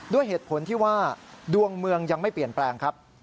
ด้วยเหตุผลที่ว่าดวงเมืองยังไม่เปลี่ยนแปลงครับ